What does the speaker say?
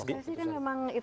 kalau diskresi kan memang itu